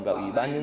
và ủy ban nhân dân